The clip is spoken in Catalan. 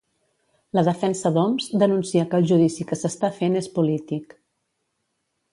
La defensa d'Homs denuncia que el judici que s'està fent és polític.